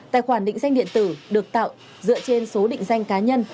tài khoản định danh điện tử được tạo dựa trên số định danh cá nhân